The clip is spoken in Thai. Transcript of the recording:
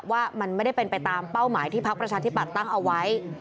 ว่ามันไม่ได้เป็นไปตามเป้าหมายที่พักประชาธิปัตย์ตั้งเอาไว้